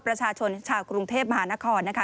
ประชาชนชาวกรุงเทพมหานครนะคะ